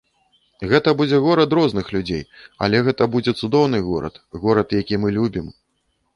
Гэта будзе горад розных людзей, але гэта будзе цудоўны горад, горад, які мы любім.